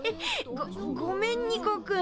ごごめんニコくん。